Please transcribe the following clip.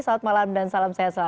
selamat malam dan salam sejahtera